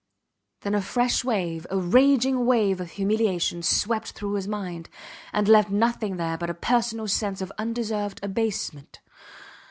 Then a fresh wave, a raging wave of humiliation, swept through his mind, and left nothing there but a personal sense of undeserved abasement.